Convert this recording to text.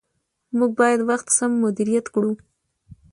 موږ باید وخت سم مدیریت کړو